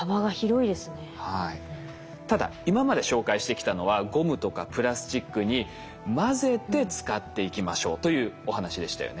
ただ今まで紹介してきたのはゴムとかプラスチックに混ぜて使っていきましょうというお話でしたよね。